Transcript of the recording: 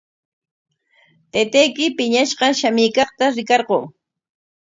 Taytayki piñashqa shamuykaqta rikarquu.